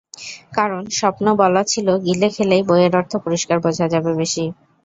কারণ, স্বপ্নে বলা ছিল, গিলে খেলেই বইয়ের অর্থ পরিষ্কার বোঝা যাবে বেশি।